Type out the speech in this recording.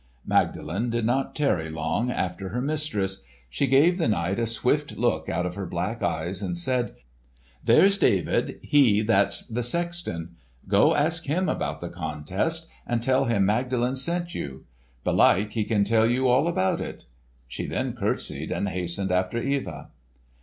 Magdalen did not tarry long after her mistress. She gave the knight a swift look out of her black eyes and said, "There's David—he that's the sexton. Go ask him about the contest and tell him Magdalen sent you. Belike he can tell you all about it." She then curtseyed and hastened after Eva.